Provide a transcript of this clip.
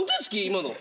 今の。